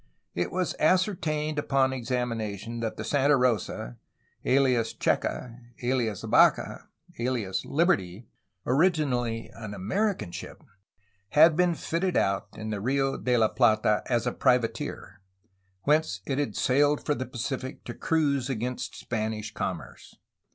It was ascertained upon examination that the Santa Rosa, alias Checka, alias Baca, alias Liberty, originally an American ship, had been fitted out in the Rio de la Plata as a privateer, whence it had sailed for the Pacific to cruise against Spanish commerce.